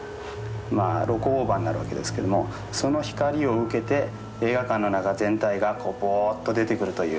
まあ露光オーバーになるわけですけどもその光を受けて映画館の中全体がぼうっと出てくるという。